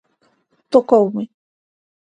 Tocoume.